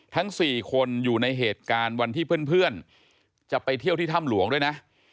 ทั้ง๔คนอยู่ในเหตุการณ์วันที่เพื่อนจะไปเที่ยวที่ถ้ำหลวงด้วยนะ